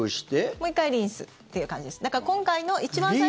もう１回リンスっていう感じです。